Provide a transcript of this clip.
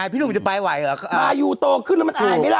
พี่หนุ่มจะไปไหวเหรอคะมายูโตขึ้นแล้วมันอายไหมล่ะ